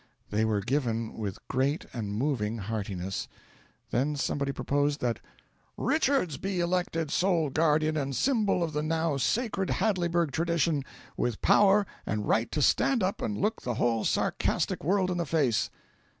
They were given with great and moving heartiness; then somebody proposed that "Richards be elected sole Guardian and Symbol of the now Sacred Hadleyburg Tradition, with power and right to stand up and look the whole sarcastic world in the face."